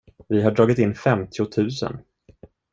Vi har dragit in femtiotusen.